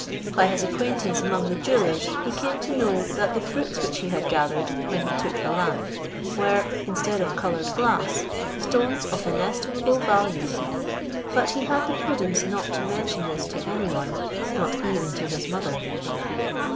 By his acquaintance among the jewellers, he came to know that the fruits which he had gathered when he took the lamp were, instead of coloured glass, stones of inestimable value; but he had the prudence not to mention this to any one, not even to his mother.